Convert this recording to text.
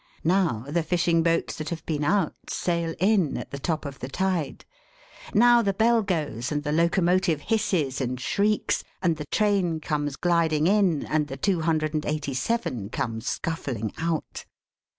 Now, the fishing boats that have been out, sail in at the top of the tide. Now, the bell goes, and the locomotive hisses and shrieks, and the train comes gliding in, and the two hundred and eighty seven come scuffling out.